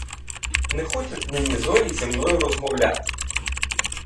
Не хочуть нині зорі зі мною розмовляти.